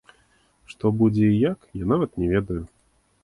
Што будзе і як, я нават не ведаю.